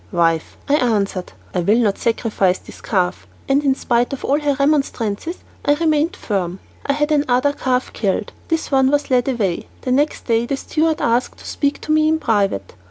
"Wife," I answered, "I will not sacrifice this calf," and in spite of all her remonstrances, I remained firm. I had another calf killed; this one was led away. The next day the steward asked to speak to me in private.